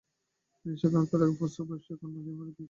তিনি সেখানকার এক পুস্তক ব্যবসায়ীর কন্যা মেরী রেইমারকে বিয়ে করেন।